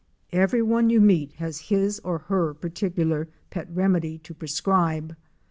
Everyone you meet has his or her particular pet remedy to prescribe.